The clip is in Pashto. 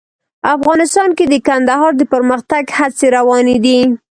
افغانستان کې د کندهار د پرمختګ هڅې روانې دي.